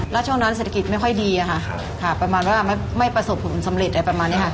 แล้วช่วงนั้นเศรษฐกิจไม่ค่อยดีค่ะประมาณว่าไม่ประสบผลสำเร็จอะไรประมาณนี้ค่ะ